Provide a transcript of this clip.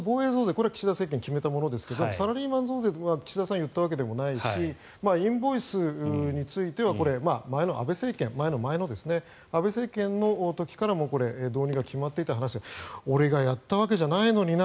これ、岸田政権が決めたことですがサラリーマン増税は岸田さんが言ったわけでもないしインボイスについては前の前の安倍政権の時からこれ、導入が決まっていた話で俺がやったわけじゃないのにな